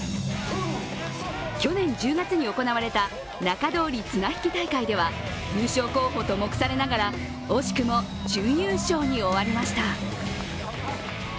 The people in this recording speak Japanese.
去年１０月に行われた仲通り綱引き大会では優勝候補と目されながら、惜しくも準優勝に終わりました。